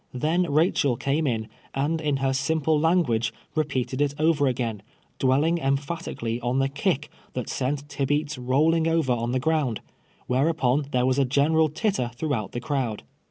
Then Eachel came in, and in her simple language, repeated it over again — dwelling emphat ically on the kick that sent Tibeats rolling over on the ground — whereupon there was a general titter throughout the crowd.